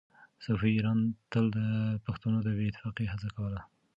صفوي ایران تل د پښتنو د بې اتفاقۍ هڅه کوله.